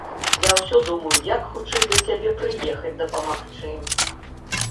Я ўсё думаю, як хутчэй да цябе прыехаць дапамагчы.